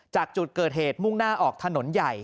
จากจุดเกิดเหตุมุ่งหน้าออกถนนใหญ่